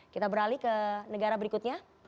kita beralih ke negara berikutnya